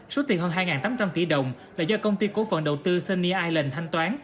số tiền hơn hai tám trăm linh tỷ đồng là do công ty cố phận đầu tư sunny island thanh toán